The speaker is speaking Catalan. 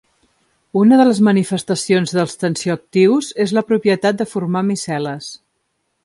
Una de les manifestacions dels tensioactius és la propietat de formar micel·les.